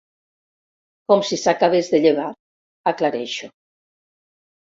Com si s'acabés de llevar —aclareixo.